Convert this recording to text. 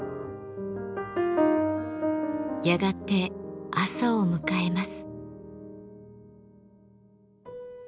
やがて朝を迎えます。